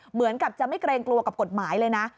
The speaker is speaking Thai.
เหมือนกับจะไม่เกรงกลัวกับกฎหมายเลยนะ